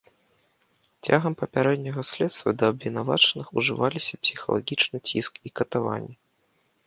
Цягам папярэдняга следства да абвінавачаных ужываліся псіхалагічны ціск і катаванні.